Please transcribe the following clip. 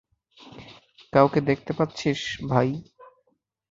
কাউকে দেখতে পাচ্ছিস ভাই?